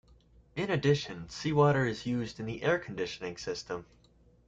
In addition, seawater is used in the air-conditioning system.